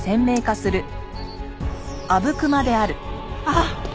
あっ！